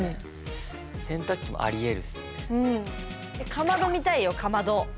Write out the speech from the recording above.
かまど見たいよかまど。